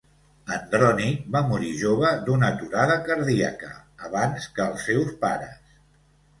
Andrònic va morir jove d'una aturada cardíaca, abans que els seus pares.